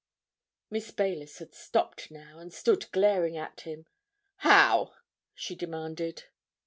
Miss Baylis had stopped now, and stood glaring at him. "How?" she demanded.